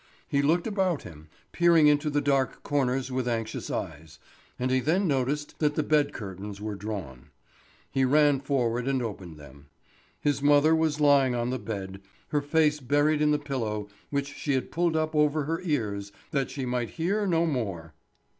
He looked about him, peering into the dark corners with anxious eyes, and he then noticed that the bed curtains were drawn. He ran forward and opened them. His mother was lying on the bed, her face buried in the pillow which she had pulled up over her ears that she might hear no more.